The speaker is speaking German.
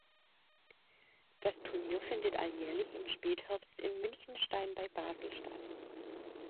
Das Turnier findet alljährlich im Spätherbst in Münchenstein bei Basel statt.